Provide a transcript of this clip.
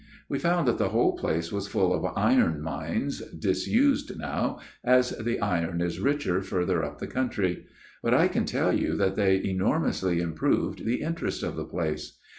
" We found that the whole place was full of iron mines, disused now, as the iron is richer further up the country ; but I can tell you that they enormously improved the interest of the place.